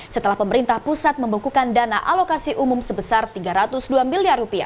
setelah pemerintah pusat membekukan dana alokasi umum sebesar rp tiga ratus dua miliar